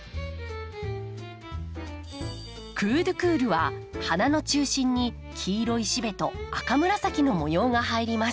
クードゥクールは花の中心に黄色いシベと赤紫の模様が入ります。